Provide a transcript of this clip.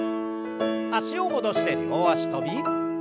脚を戻して両脚跳び。